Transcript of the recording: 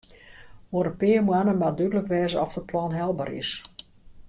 Oer in pear moanne moat dúdlik wêze oft it plan helber is.